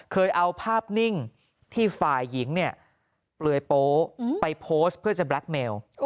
เคยเอาภาพนิ่งที่ฝ่ายหญิงเนี่ยเปลือยโป๊ไปโพสต์เพื่อจะแบล็คเมล